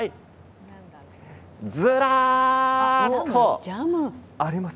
ずらっとあります。